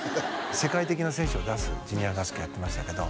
世界的な選手を出すジュニア合宿やってましたけど